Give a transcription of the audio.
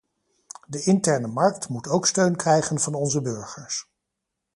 De interne markt moet ook steun krijgen van onze burgers.